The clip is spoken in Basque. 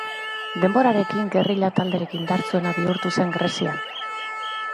Denborarekin gerrilla talderik indartsuena bihurtu zen Grezian.